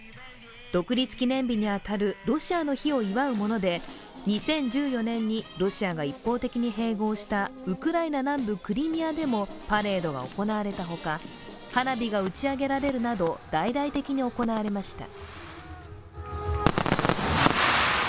独立記念日に当たるロシアの日を祝うもので２０１４年にロシアが一方的に併合したウクライナ南部クリミアでもパレードが行われたほか、花火が打ち上げられるなど大々的に行われました。